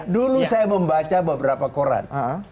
dulu saya membaca beberapa koran